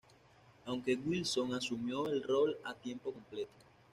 Aunque Wilson asumió el rol a tiempo completo.